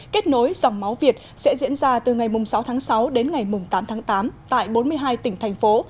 kết nối dòng máu việt sẽ diễn ra từ ngày sáu tháng sáu đến ngày tám tháng tám tại bốn mươi hai tỉnh thành phố